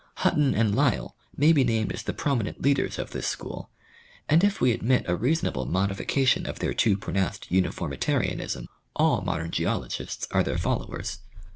Hutton and Lyell may be named as the prominent leaders of this school and if we admit a reasonable modification of their too pronounced uniformitarianism, all modern geologists are their followers.